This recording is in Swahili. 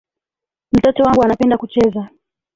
Mtoto wangu anapenda kucheza